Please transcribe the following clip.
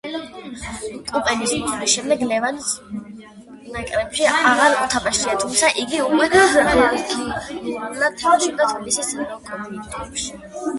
კუპერის მოსვლის შემდეგ ლევანს ნაკრებში არ უთამაშია, თუმცა იგი უკვე რეგულარულად თამაშობდა თბილისის „ლოკომოტივში“.